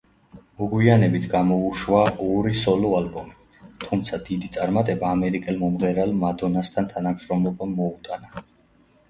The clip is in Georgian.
მოგვიანებით, გამოუშვა ორი სოლო ალბომი, თუმცა დიდი წარმატება ამერიკელ მომღერალ მადონასთან თანამშრომლობამ მოუტანა.